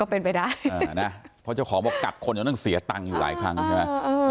เป็นไปได้นะเพราะเจ้าของบอกกัดคนจนต้องเสียตังค์อยู่หลายครั้งใช่ไหม